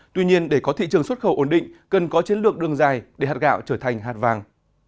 tuy nhiên để có thị trường xuất khẩu ổn định cần có chiến lược đường dài để hạt gạo trở thành hạt vàng